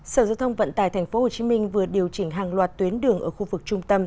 sở giao thông vận tải tp hcm vừa điều chỉnh hàng loạt tuyến đường ở khu vực trung tâm